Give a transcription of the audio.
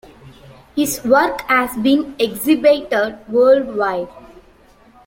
His work has been exhibited worldwide.